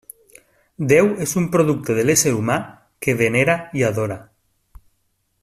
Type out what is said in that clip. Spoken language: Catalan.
Déu és un producte de l'ésser humà que venera i adora.